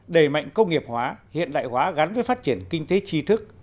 đẩy mạnh công nghiệp hóa hiện đại hóa gắn với phát triển kinh tế tri thức